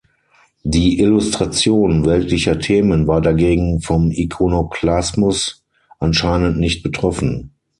Die Illustration weltlicher Themen war dagegen vom Ikonoklasmus anscheinend nicht betroffen.